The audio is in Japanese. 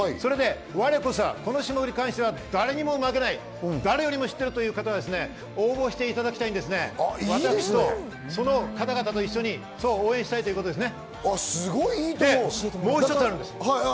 われこそはこの種目に対しては誰にも負けない、誰よりも知っているという方は応募していただいて、その方々と一緒に応援したいということですね。